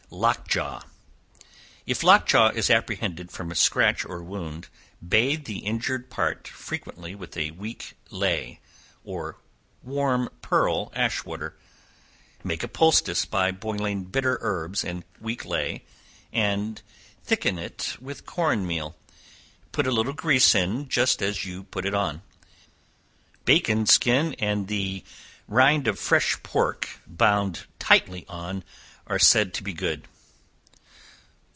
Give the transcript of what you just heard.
Lockjaw. If lock jaw is apprehended from a scratch or wound, bathe the injured part frequently with weak ley, or warm pearl ash water, make a poultice by boiling bitter herbs in weak ley, and thicken it with corn meal; put a little grease in just as you put it on. Bacon skin and the rind of fresh pork bound tightly on, are said to be good.